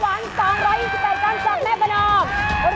จากแม่ประนอบ